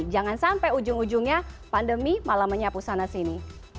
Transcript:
jangan sampai ujung ujungnya pandemi malah menyapu sana sini